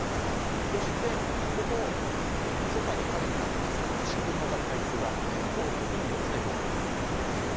そしてソファーで陰になっていますが新聞の置かれたいすがあって通る時によけて通らなければいけなかった。